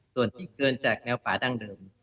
ส่วนที่เกินจากแนวป่าดั้งเดิม